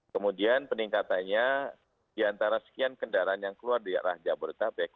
kemudian peningkatannya di antara sekian kendaraan yang keluar dari arah jawa berita pek